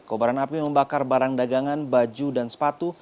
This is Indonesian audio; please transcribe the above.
kobaran api membakar barang dagangan baju dan sepatu